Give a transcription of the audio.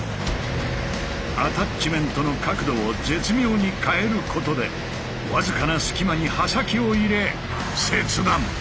アタッチメントの角度を絶妙に変えることで僅かな隙間に刃先を入れ切断。